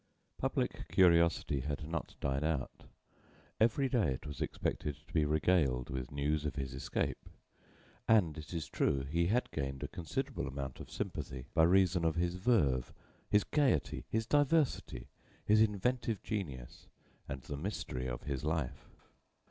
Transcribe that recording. Public curiosity had not died out; every day it expected to be regaled with news of his escape; and, it is true, he had gained a considerable amount of public sympathy by reason of his verve, his gayety, his diversity, his inventive genius and the mystery of his life.